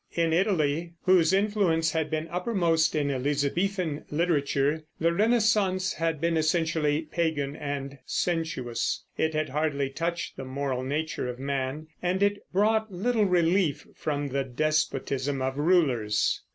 In Italy, whose influence had been uppermost in Elizabethan literature, the Renaissance had been essentially pagan and sensuous. It had hardly touched the moral nature of man, and it brought little relief from the despotism of rulers.